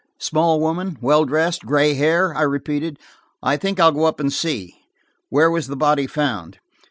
"Small woman, well dressed, gray hair?" I repeated. "I think I'll go up and see. Where was the body found